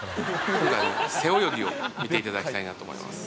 今回背泳ぎを見ていただきたいなと思います。